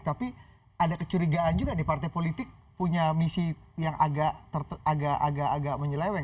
tapi ada kecurigaan juga nih partai politik punya misi yang agak menyeleweng